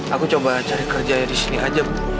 aku coba cari kerja yang di sini aja bu